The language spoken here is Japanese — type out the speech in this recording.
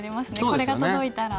これが届いたら。